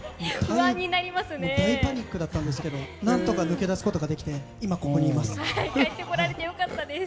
大パニックだったんですけど何とか抜け出すことができて今、ここにいます。